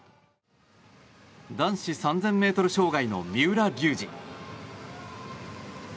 男子３０００ｍ障害の三浦龍司。